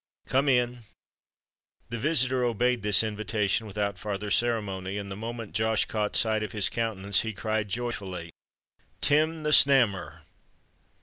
"Come in!" The visitor obeyed this invitation without farther ceremony; and the moment Josh caught sight of his countenance, he cried joyfully, "Tim the Snammer!"